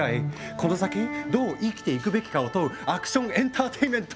この先どう生きていくべきかを問うアクションエンターテインメント！